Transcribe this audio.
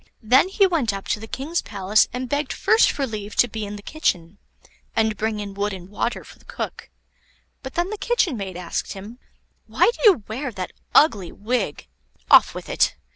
Then he went up to the king's palace and begged first for leave to be in the kitchen, and bring in wood and water for the cook, but then the kitchen maid asked him: "Why do you wear that ugly wig? Off with it.